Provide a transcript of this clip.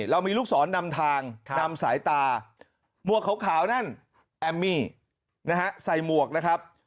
เรามีลูกศรนำทางนำสายตามวกขาวนั่นแอมมี่นะฮะใส่หมวกนะครับ